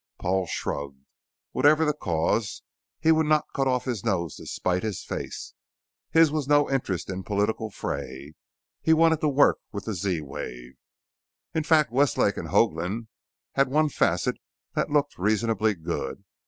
Paul shrugged. Whatever the cause, he would not cut off his nose to spite his face. His was no interest in political fray. He wanted to work with the Z wave. In fact Westlake and Hoagland had one facet that looked reasonably good.